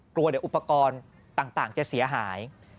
กลัวเดี๋ยวอุปกรณ์ต่างจะเสียหาย